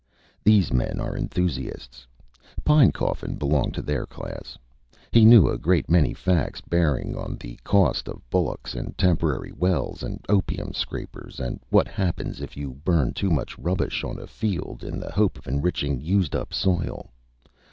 These men are enthusiasts. Pinecoffin belonged to their class. He knew a great many facts bearing on the cost of bullocks and temporary wells, and opium scrapers, and what happens if you burn too much rubbish on a field, in the hope of enriching used up soil.